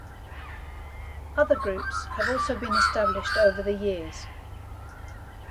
Other groups have also been established over the years.